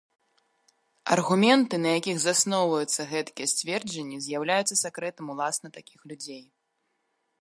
Аргументы, на якіх засноўваюцца гэткія сцверджанні, з'яўляюцца сакрэтам уласна такіх людзей.